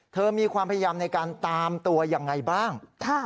มีความพยายามในการตามตัวยังไงบ้าง